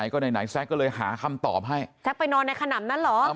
ก็ไหนแซ็กก็เลยหาคำตอบให้แซ็กไปนอนในขนำนั้นเหรอ